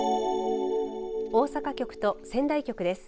大阪局と仙台局です。